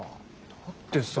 だってさ。